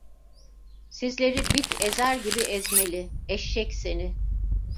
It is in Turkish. Sizleri bit ezer gibi ezmeli… Eşşek seni…